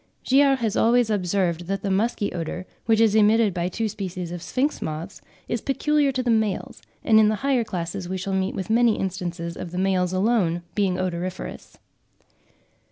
Giard has always observed that the musky odour, which is emitted by two species of Sphinx moths, is peculiar to the males (4. 'Zoological Record,' 1869, p. 347.); and in the higher classes we shall meet with many instances of the males alone being odoriferous.